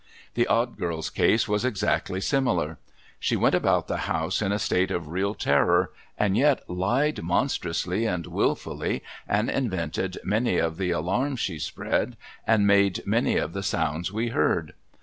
The Odd Girl's case was exactly similar. She went about the house in a state of real terror, and yet lied monstrously and wilfully, and invented many of the alarms she spread, and made many of the sounds we heard.